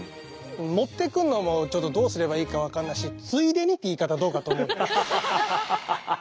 持っていくのもちょっとどうすればいいか分かんないし「ついでに」って言い方どうかと思う。